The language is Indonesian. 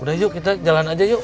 udah yuk kita jalan aja yuk